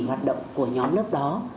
hoạt động của nhóm lớp đó